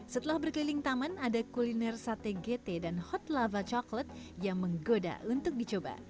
setelah berkeliling taman ada kuliner sate gt dan hot lava coklat yang menggoda untuk dicoba